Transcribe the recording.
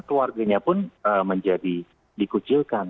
keluarganya pun menjadi dikucilkan